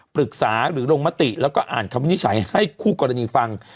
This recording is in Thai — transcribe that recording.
ปรึกษาหรือลงมติแล้วก็อ่านคำวินิจฉัยให้คู่กรณีฟัง